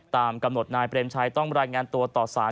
ตามกำหนดนายเปรมชัยต้องรายงานตัวต่อสาร